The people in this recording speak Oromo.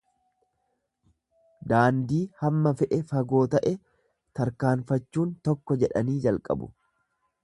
Daandii hamma fe'e fagoo ta'e tarkaanfachuun tokko jedhanii jalqabu.